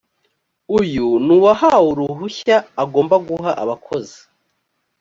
uyu ni uwahawe uruhushya agomba guha abakozi